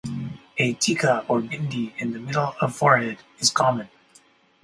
A "tika" or "bindi" in the middle of forehead is common.